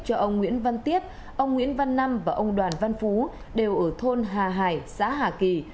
cho ông nguyễn văn tiếp ông nguyễn văn năm và ông đoàn văn phú đều ở thôn hà hải xã hà kỳ